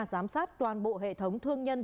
giám sát toàn bộ hệ thống thương nhân